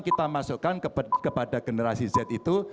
kita masukkan kepada generasi z itu